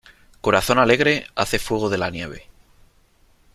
Corazón alegre hace fuego de la nieve.